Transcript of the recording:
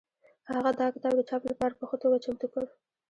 هغه دا کتاب د چاپ لپاره په ښه توګه چمتو کړ.